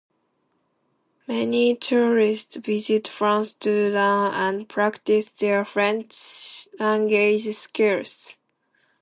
Many tourists visit France to learn and practice their French language skills.